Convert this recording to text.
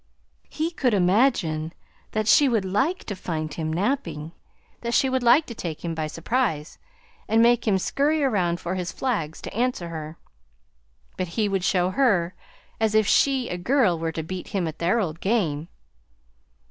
He could imagine that she would like to find him napping; that she would like to take him by surprise, and make him scurry around for his flags to answer her. "But he would show her! As if she, a girl, were to beat him at their old game!